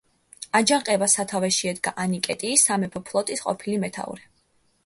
აჯანყებას სათავეში ედგა ანიკეტი, სამეფო ფლოტის ყოფილი მეთაური.